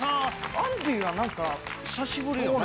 アンディは何か久しぶりよね。